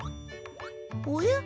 おや？